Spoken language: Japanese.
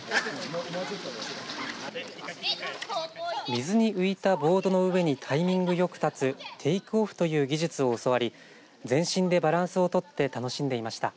水に浮いたボードの上にタイミングよく立つテイクオフという技術を教わり全身でバランスを取って楽しんでいました。